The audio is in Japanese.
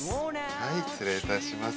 はい失礼いたします。